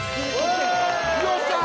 よっしゃ！